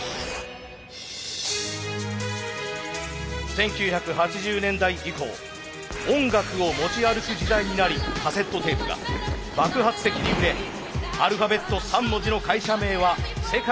１９８０年代以降音楽を持ち歩く時代になりカセットテープが爆発的に売れアルファベット３文字の会社名は世界に知れ渡りました。